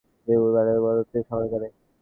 রাত্রিবেলা শহরের আকাশে উড়বার অনুমতিপত্র সহকারে।